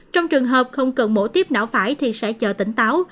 trong trường hợp không cần mổ tiếp não phải thì sẽ chờ tỉnh táo